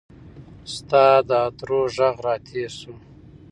ستا د عطرو ږغ راتیر سو